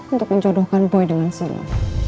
untuk menjodohkan boy dengan sila